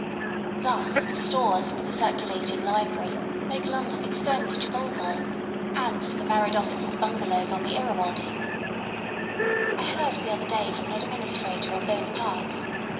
Thus the stores and the circulating library make London extend to Jubbulpore and to the married officers' bungalows on the Irawaddy, I heard the other day from an administrator of those parts.